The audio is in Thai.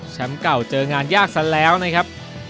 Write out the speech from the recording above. แชมป์เก่าเจองานยากสันแล้วนะครับ